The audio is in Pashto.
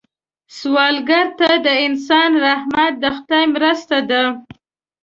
سوالګر ته د انسان رحمت د خدای مرسته ده